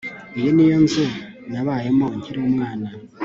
Iyi ni yo nzu nabayemo nkiri umwana